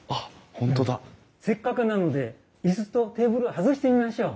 せっかくなので椅子とテーブル外してみましょう。